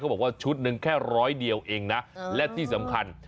บอกว่าชุดหนึ่งแค่ร้อยเดียวเองนะและที่สำคัญ